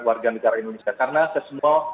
warga negara indonesia karena sesuatu